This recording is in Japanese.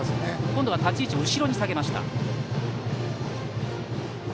今度は立ち位置を後ろに下げました。